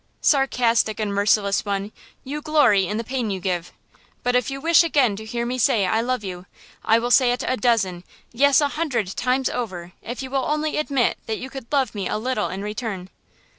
"Sarcastic and merciless one, you glory in the pain you give! But if you wish again to hear me say I love you, I will say it a dozen–yes, a hundred–times over if you will only admit that you could love me a little in return."